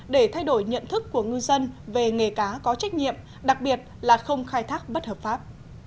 để thay đổi nhận thức của ngư dân về nghề cá có trách nhiệm đặc biệt là không khai thác bất hợp pháp